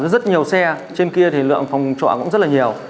rất nhiều xe trên kia thì lượng phòng trọ cũng rất là nhiều